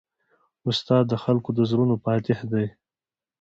استاد د خلکو د زړونو فاتح دی.